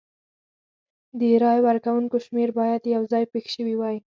د رای ورکوونکو شمېر باید یو ځای پېښ شوي وای.